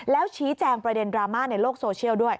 แล้วชี้แจงประเด็นดราม่าในโลกโซเชียลด้วย